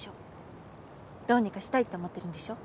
どうにかしたいって思ってるんでしょ？